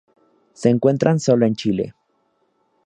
Se encuentran solo en Chile.